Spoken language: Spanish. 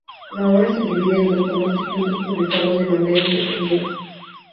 La obra se divide en dos tomos distintos, publicados de manera independiente.